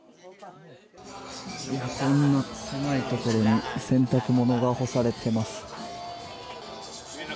こんな狭いところに洗濯物が干されています。